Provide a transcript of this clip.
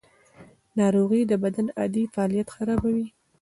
ناروغي د بدن عادي فعالیت خرابوي.